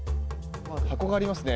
箱がありますね。